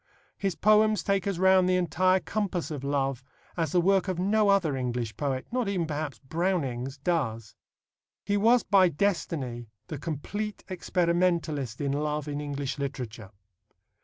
His poems take us round the entire compass of love as the work of no other English poet not even, perhaps, Browning's does. He was by destiny the complete experimentalist in love in English literature.